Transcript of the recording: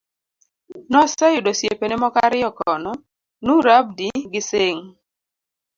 Noseyudo osiepene moko ariyo kono, Noor Abdi gi Singh